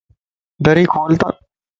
دري کول تا